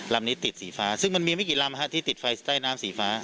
ลำนี้ติดสีฟ้าซึ่งมันมีไม่กี่ลำที่ติดไฟใต้น้ำสีฟ้า